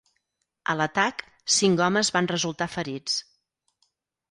A l'atac, cinc homes van resultar ferits.